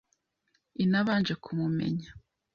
inabanje kumumenya.